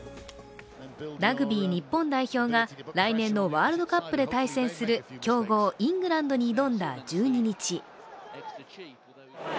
ラグビー日本代表が来年のワールドカップで対戦する強豪・イングランドに挑んだ１２日。